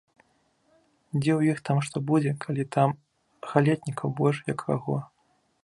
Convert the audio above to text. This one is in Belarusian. Дзе ў іх там што будзе, калі там галетнікаў больш, як каго.